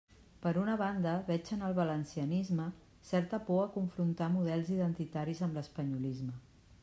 Per una banda, veig en el valencianisme certa por a confrontar models identitaris amb l'espanyolisme.